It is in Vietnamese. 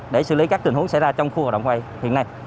để xử lý các tình huống xảy ra trong khu hoạt động vay hiện nay